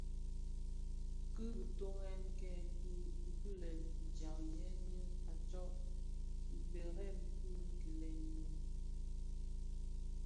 Ki bitughe kè kikilèn ndhaň yè ňu a tsok kibèrèn ki gilèn yin,